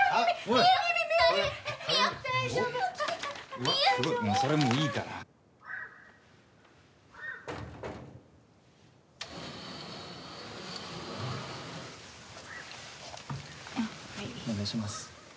お願いします。